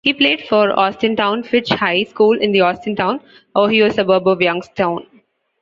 He played for Austintown Fitch High School in the Austintown, Ohio suburb of Youngstown.